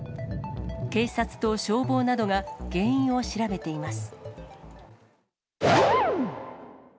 警察と消防などが原因を調べています。